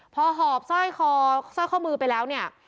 พอหอบสร้อยคอสร้อยข้อมือไปแล้วเนี่ย